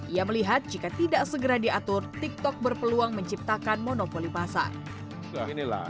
ia melihat jika tidak segera diatur tiktok berpeluang menciptakan monopoli pasar